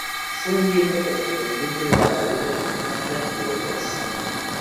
Fue miembro correspondiente de la Academia Argentina de Letras.